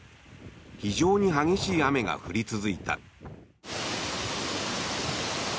非常に激しい雨が降り続いた。